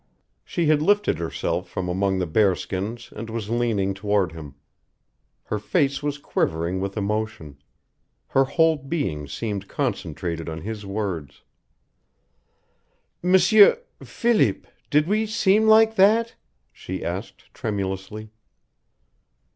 She had lifted herself from among the bearskins and was leaning toward him. Her face was quivering with emotion; her whole being seemed concentrated on his words. "M'sieur Philip did we seem like that?" she asked, tremulously.